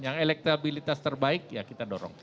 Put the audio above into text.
yang elektabilitas terbaik ya kita dorong